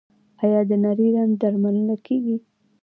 آیا د نري رنځ درملنه کیږي؟